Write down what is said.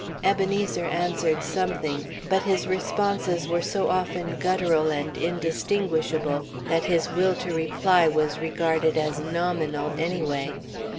Ebenezer answered something, but his responses were so often guttural and indistinguishable that his will to reply was regarded as nominal, anyway.